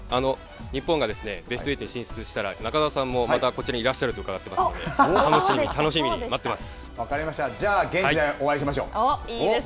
日本がベスト８進出したら、中澤さんもまたこちらにいらっしゃると伺っていますので、楽しみに待ってます。